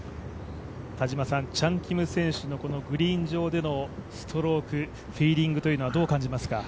チャン・キム選手のグリーン上でのストローク、フィーリングはどう感じますか？